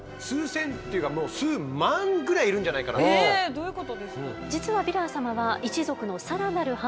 どういうことですか？